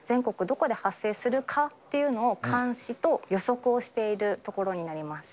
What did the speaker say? どこで発生するかっていうのを、監視と予測をしている所になります。